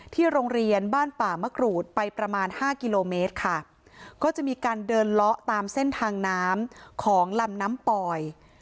โรงเรียนบ้านป่ามะกรูดไปประมาณห้ากิโลเมตรค่ะก็จะมีการเดินเลาะตามเส้นทางน้ำของลำน้ำปอย